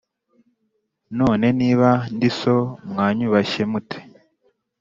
none niba ndi so mwanyubashye mute?